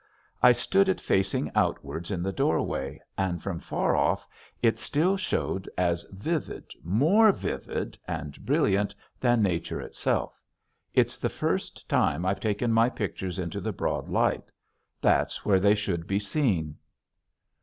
I stood it facing outwards in the doorway and from far off it still showed as vivid, more vivid, and brilliant than nature itself. It's the first time I've taken my pictures into the broad light. There's where they should be seen.